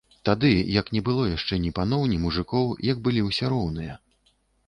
Тады, як не было яшчэ ні паноў, ні мужыкоў, як былі ўсе роўныя.